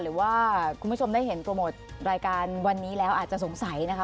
หรือว่าคุณผู้ชมได้เห็นโปรโมทรายการวันนี้แล้วอาจจะสงสัยนะคะ